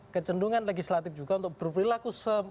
kecendungan legislatif juga untuk berperilaku